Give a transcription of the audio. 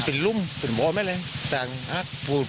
เพื่อนจงเลยต้องทำซื้อ